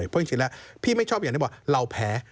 เพราะจริงแล้วพี่ไม่ชอบอย่างที่บอกเราแพ้